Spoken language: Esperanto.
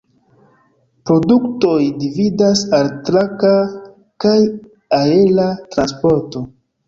Produktoj dividas al traka kaj aera transporto.